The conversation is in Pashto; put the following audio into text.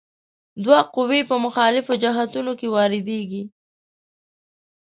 دوه قوې په مخالفو جهتونو کې واردیږي.